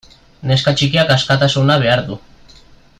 Neska txikiak askatasuna behar du.